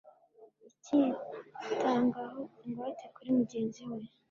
akitangaho ingwate kuri mugenzi we